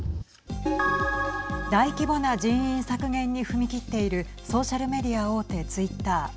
大規模な人員削減に踏み切っているソーシャルメディア大手ツイッター。